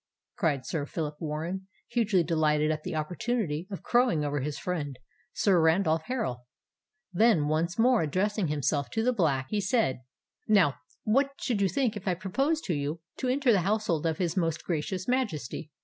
cried Sir Phillip Warren, hugely delighted at the opportunity of crowing over his friend Sir Randolph Harral: then, once more addressing himself to the Black, he said, "Now what should you think if I proposed to you to enter the household of his most gracious Majesty?"